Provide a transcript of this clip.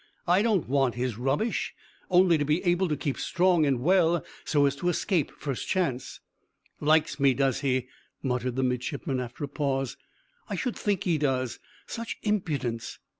I don't want his rubbish only to be able to keep strong and well, so as to escape first chance." "Likes me, does he?" muttered the midshipman, after a pause. "I should think he does. Such impudence!